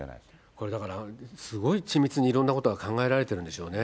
これ、だから、すごいち密にいろんなことが考えられてるんでしょうね。